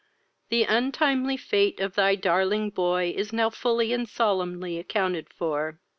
the untimely fate of thy darling boy is now fully and solemnly accounted for!